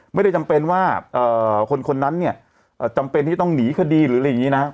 จำเป็นว่าคนนั้นเนี่ยจำเป็นที่ต้องหนีคดีหรืออะไรอย่างนี้นะ